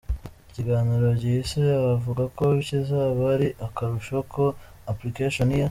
Ikiganiro gihishe avuga ko kizaba ari akarusho ka ‘application’ ye.